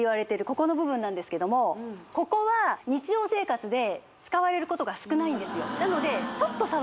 ここの部分なんですけどもここは日常生活で使われることが少ないんですよ